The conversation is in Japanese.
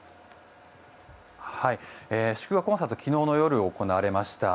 祝賀コンサート昨日の夜行われました。